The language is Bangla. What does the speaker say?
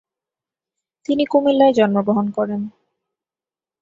তিনি কুমিল্লায় জন্মগ্রহণ করেন।